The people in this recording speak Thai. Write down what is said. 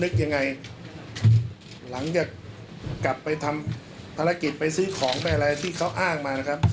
กลับไปทำภารกิจไปซื้อของอะไรที่เขาอ้างมานะครับ